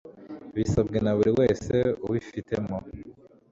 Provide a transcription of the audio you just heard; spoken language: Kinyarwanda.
Bisabwe na buri wese ubifitemo